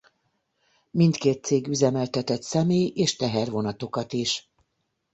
Mindkét cég üzemeltetett személy- és tehervonatokat is.